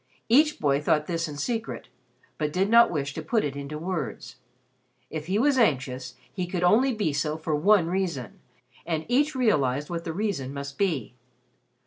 Each boy thought this in secret, but did not wish to put it into words. If he was anxious, he could only be so for one reason, and each realized what the reason must be.